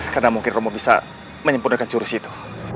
karena mungkin romo bisa menyempurnakan curus itu